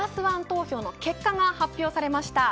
投票の結果が発表されました。